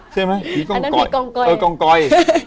ใช่ไหมผีกองก๋อย